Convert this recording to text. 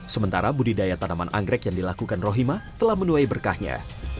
sementara budidaya tanaman anggrek yang dilakukan rohima telah menuai berkahnya